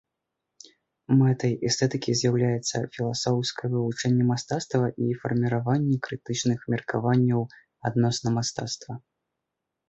Мэтай эстэтыкі з'яўляецца філасофскае вывучэнне мастацтва і фарміраванне крытычных меркаванняў адносна мастацтва.